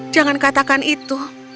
jangan katakan itu